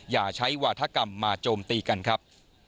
อย่าใช้วาธกรรมมาโจมตีกันครับ